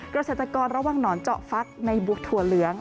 เกษตรกรระวังหนอนเจาะฟักในบุ๊กถั่วเหลือง